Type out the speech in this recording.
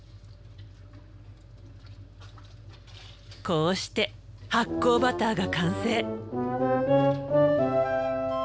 こうして発酵バターが完成。